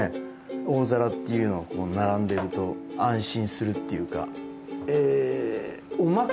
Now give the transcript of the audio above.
大皿っていうのがこう並んでると安心するっていうか。